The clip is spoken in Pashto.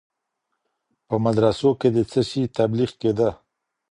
په مدرسو کي د څه سي تبلیغ کیده؟